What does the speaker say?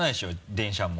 電車も。